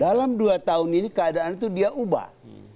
dalam dua tahun ini keadaan itu dia ubah